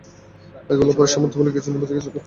এগুলোর সমাপ্তি বলে কিছু নেই, বোঝা গেছে ব্যাপারটা?